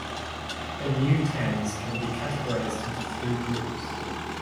Benue towns can be categorised into three groups.